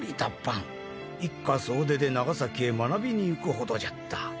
一家総出で長崎へ学びに行くほどじゃった。